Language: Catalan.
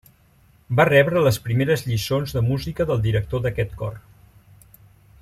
Va rebre les primeres lliçons de música del director d'aquest cor.